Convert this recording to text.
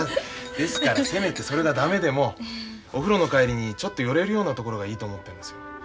ですからせめてそれが駄目でもお風呂の帰りにちょっと寄れるような所がいいと思ってるんですよ。